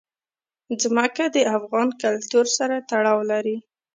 ځمکه د افغان کلتور سره تړاو لري.